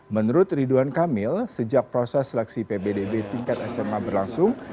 menurut ridwan kamil sejak proses seleksi pbdb tingkat sma berlangsung